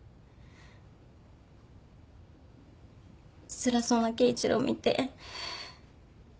つらそうな圭一郎を見て。